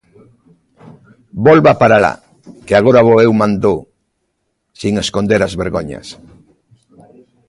Volva para alá, que agora vou eu –mandou, sen esconder as vergoñas.